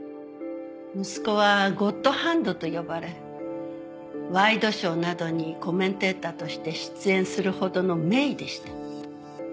息子はゴッドハンドと呼ばれワイドショーなどにコメンテーターとして出演するほどの名医でした。